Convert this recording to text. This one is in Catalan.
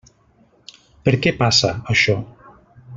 Per què passa, això?